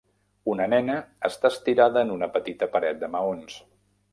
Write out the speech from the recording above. Una nena està estirada en una petita paret de maons